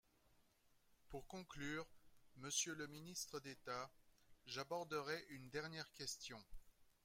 Pour conclure, monsieur le ministre d’État, j’aborderai une dernière question.